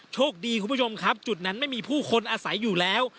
โชคดีคุณผู้ชมครับจุดนั้นไม่มีผู้คนอาศัยอยู่แล้ว